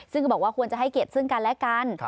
ซึ่งก็บอกว่าควรจะให้เกียรติซึ่งกันและกัน